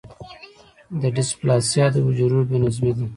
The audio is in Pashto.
د ډیسپلاسیا د حجرو بې نظمي ده.